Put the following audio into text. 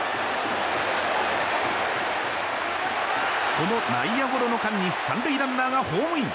この内野ゴロの間に３塁ランナーがホームイン。